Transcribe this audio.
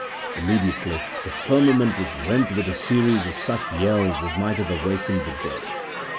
Immediately the firmament was rent with a series of such yells as might have awakened the dead.